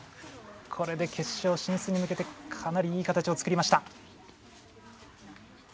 これで決勝進出に向けてかなりいい形を作りました。